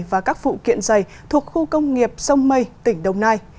và các phụ kiện dày thuộc khu công nghiệp sông mây tỉnh đồng nai